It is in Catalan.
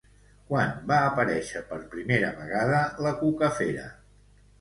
Quan va aparèixer per primera vegada la Cucafera?